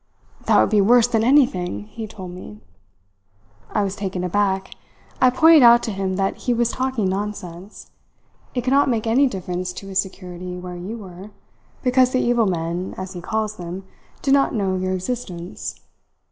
"'That would be worse than anything,' he told me. "I was taken aback. I pointed out to him that he was talking nonsense. It could not make any difference to his security where you were, because the evil men, as he calls them, did not know of your existence.